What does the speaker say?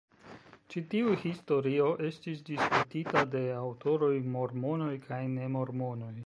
Ĉi tiu historio estis diskutita de aŭtoroj mormonoj kaj ne mormonoj.